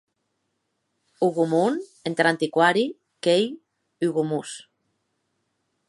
Hougomont entar antiquari qu’ei Hugomons.